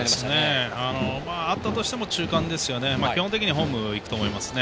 あったとしても中間で基本的にはホームにいくと思いますね。